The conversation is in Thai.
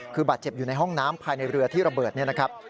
คือบาดเจ็บอยู่ในห้องน้ำภายในเรือที่ระเบิดนี่นะครับ